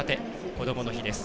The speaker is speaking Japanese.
こどもの日です。